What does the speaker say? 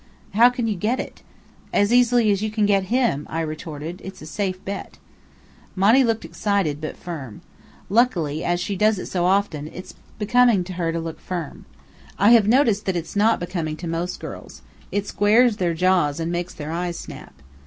"How can you get it?" "As easily as you can get him," I retorted. "It's a safe bet." Monny looked excited, but firm. Luckily, as she does it so often, it's becoming to her to look firm. (I have noticed that it's not becoming to most girls. It squares their jaws and makes their eyes snap.)